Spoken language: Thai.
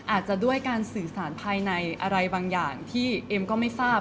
อาจจะด้วยการสื่อสารภายในอะไรบางอย่างที่เอ็มก็ไม่ทราบ